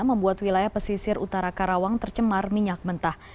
membuat wilayah pesisir utara karawang tercemar minyak mentah